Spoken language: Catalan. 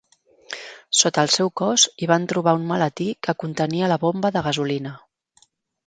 Sota el seu cos hi van trobar un maletí que contenia la bomba de gasolina.